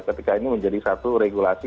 ketika ini menjadi satu regulasi